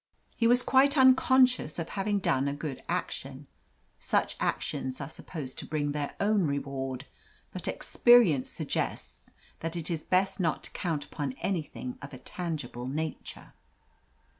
He was quite unconscious of having done a good action. Such actions are supposed to bring their own reward, but experience suggests that it is best not to count upon anything of a tangible nature.